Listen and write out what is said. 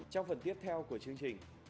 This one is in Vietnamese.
trong phần tiếp theo của chương trình